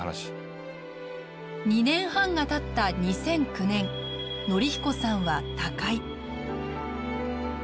２年半がたった２００９年徳彦さんは他界。